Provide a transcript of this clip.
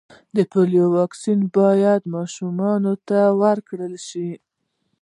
د پولیو واکسین باید و ماشومانو ته ورکړل سي.